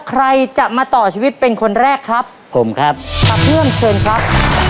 ใครจะมาต่อชีวิตเป็นคนแรกครับผมครับตาเพื่อนเชิญครับ